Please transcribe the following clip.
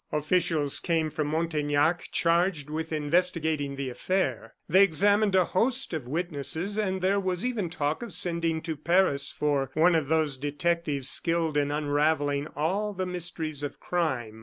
Officials came from Montaignac charged with investigating the affair. They examined a host of witnesses, and there was even talk of sending to Paris for one of those detectives skilled in unravelling all the mysteries of crime.